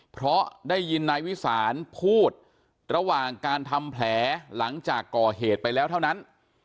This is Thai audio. เพราะได้ยินนายวิสานพูดระหว่างการทำแผลหลังจากก่อเหตุไปแล้วเท่านั้น